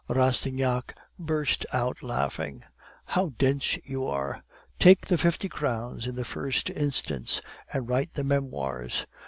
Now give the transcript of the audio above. "Rastignac burst out laughing. "'How dense you are! Take the fifty crowns in the first instance, and write the memoirs.